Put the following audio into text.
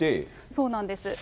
そうなんです。